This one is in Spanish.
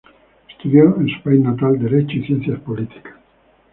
Estudió en su país natal Derecho y Ciencias Políticas.